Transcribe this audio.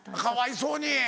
かわいそうに。